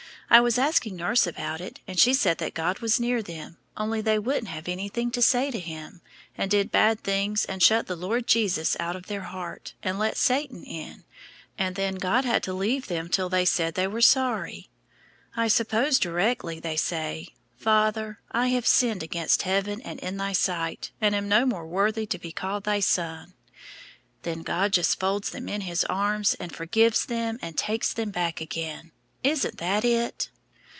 I was asking nurse about it, and she said that God was near them, only they wouldn't have anything to say to Him, and did bad things and shut the Lord Jesus out of their heart, and let Satan in, and then God had to leave them till they said they said they were sorry. I suppose directly they say: 'Father, I have sinned against heaven, and in Thy sight, and am no more worthy to be called Thy son,' then God just folds them in His arms and forgives them and takes them back again; isn't that it?"